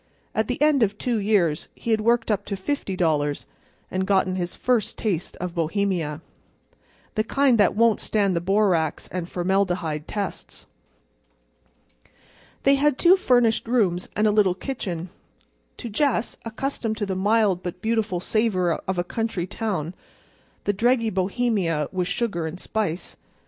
At the end of two years he had worked up to $50, and gotten his first taste of Bohemia—the kind that won't stand the borax and formaldehyde tests. They had two furnished rooms and a little kitchen. To Jess, accustomed to the mild but beautiful savor of a country town, the dreggy Bohemia was sugar and spice.